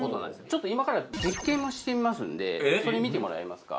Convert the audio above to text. ちょっと今から実験をしてみますんでそれ見てもらえますか？